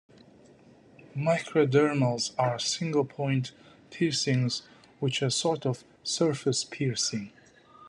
Microdermals are single point piercings which are a sort of surface piercing.